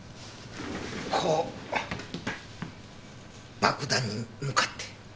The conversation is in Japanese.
こう爆弾に向かって。